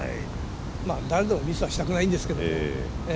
まあ誰でもミスはしたくないんですけど。